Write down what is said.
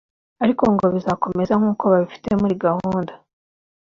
ariko ngo bizakomeza nk’uko babifite muri gahunda